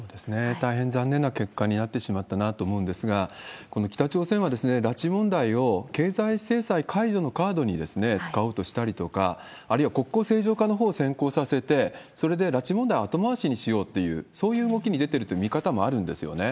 大変残念な結果になってしまったなと思うんですが、この北朝鮮は、拉致問題を経済制裁解除のカードに使おうとしたりとか、あるいは国交正常化のほうを先行させて、それで拉致問題後回しにしようっていう、そういう動きに出てるという見方もあるんですよね。